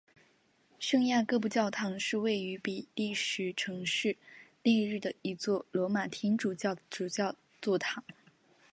圣雅各布教堂是位于比利时城市列日的一座罗马天主教的主教座堂。